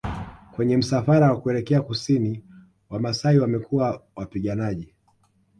Kwenye msafara wa kuelekea Kusini Wamasai wamekuwa Wapiganaji